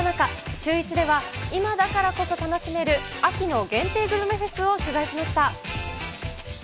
シューイチでは今だからこそ楽しめる秋の限定グルメフェスを取材しました。